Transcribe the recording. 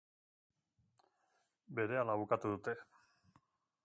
Berehala bukatu dute.